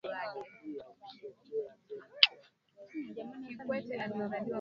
kulinda maslahi ya serikali kwa kisingizio cha wa wananchi